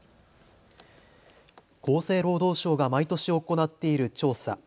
厚生労働省が毎年行っている調査。